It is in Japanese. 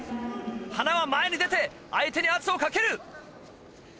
塙前に出て相手に圧をかける。